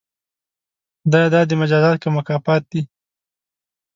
خدایه دا دې مجازات که مکافات دي؟